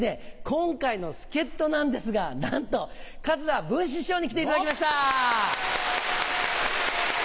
今回の助っ人なんですがなんと桂文枝師匠に来ていただきました。